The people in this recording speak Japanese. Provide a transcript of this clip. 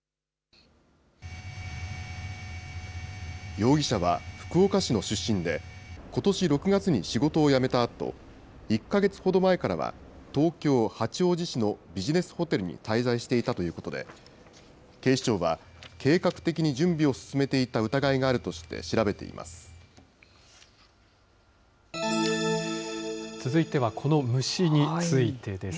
容疑者は、福岡市の出身で、ことし６月に仕事を辞めたあと、１か月ほど前からは、東京・八王子市のビジネスホテルに滞在していたということで、警視庁は、計画的に準備を進めていた疑いがあるとして、調べています。